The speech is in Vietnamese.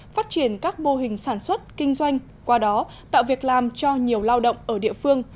phát triển các mô hình sản xuất kinh doanh qua đó tạo việc làm cho nhiều lao động ở địa phương